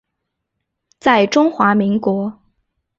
在中华民国。